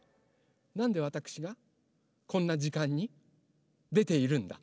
なんでわたくしがこんなじかんにでているんだ？